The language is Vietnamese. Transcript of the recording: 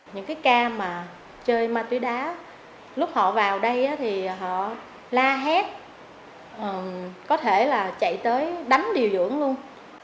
những cái ca mà chơi ma túy đá lúc họ vào đây thì họ la hét có thể là chạy tới đánh điều dưỡng luôn